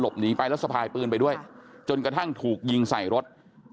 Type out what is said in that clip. หนีไปแล้วสะพายปืนไปด้วยจนกระทั่งถูกยิงใส่รถ